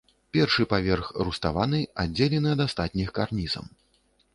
Першы паверх руставаны, аддзелены ад астатніх карнізам.